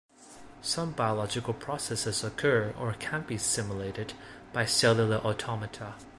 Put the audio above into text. Some biological processes occur-or can be simulated-by cellular automata.